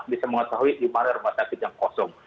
bisa mengetahui di mana rumah sakit yang kosong